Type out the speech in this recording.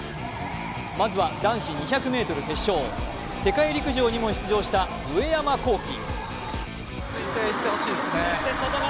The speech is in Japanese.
まずは男子２００ｍ決勝、世界陸上にも出場した上山紘輝。